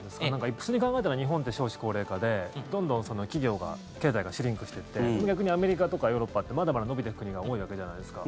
普通に考えたら日本って少子高齢化でどんどん企業が、経済がシュリンクしていって逆にアメリカとかヨーロッパってまだまだ伸びてく国が多いわけじゃないですか。